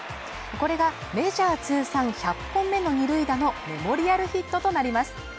これがメジャー通算１００本目の二塁打のメモリアルヒットとなります